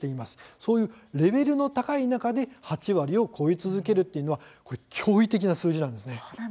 そういうレベルの高い中での８割を超え続けるというのは驚異的な数字なんです。